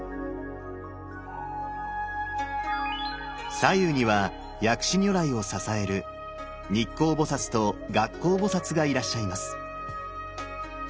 左右には薬師如来を支える日光菩と月光菩がいらっしゃいます。